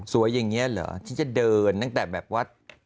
อย่างนี้เหรอที่จะเดินตั้งแต่แบบว่า